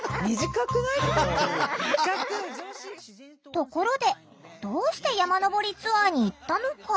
ところでどうして山登りツアーに行ったのか？